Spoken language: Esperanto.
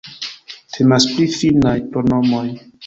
Temas pri finnaj pronomoj.